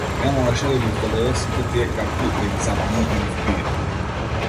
Не можеше да ги здогледа сите тие капки, да ги запомни, да ги впие.